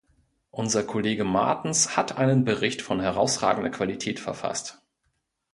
Unser Kollege Martens hat einen Bericht von herausragender Qualität verfasst.